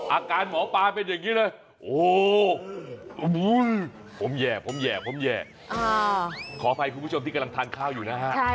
อาการหมอปาเป็นอย่างนี้เลยโอ้ผมแหย่ขออภัยคุณผู้ชมที่กำลังทานข้าวอยู่นะครับ